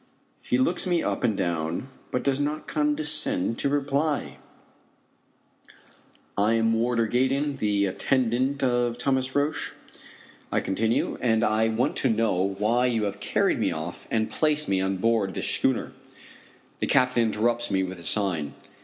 He looks me up and down but does not condescend to reply. "I am Warder Gaydon, the attendant of Thomas Roch," I continue, "and I want to know why you have carried me off and placed me on board this schooner?" The captain interrupts me with a sign.